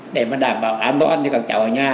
để mà đảm bảo an toàn cho các cháu ở nhà